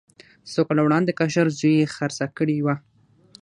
څو کاله وړاندې کشر زوی یې خرڅه کړې وه.